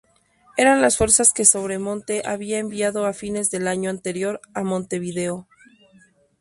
Eran las fuerzas que Sobremonte había enviado a fines del año anterior a Montevideo.